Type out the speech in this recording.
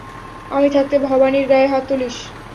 আমি থাকতে ভবানির গায়ে হাত তুলিস?